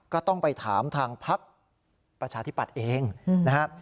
ก็ต้องไปถามทางพักประชาธิปัตย์เองนะครับ